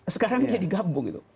sekarang dia digabung